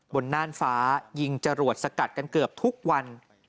น่านฟ้ายิงจรวดสกัดกันเกือบทุกวัน